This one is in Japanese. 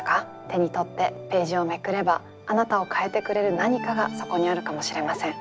手に取ってページをめくればあなたを変えてくれる何かがそこにあるかもしれません。